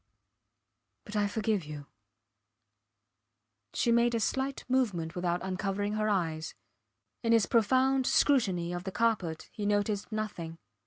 ... But I forgive you. ... She made a slight movement without uncovering her eyes. In his profound scrutiny of the carpet he noticed nothing.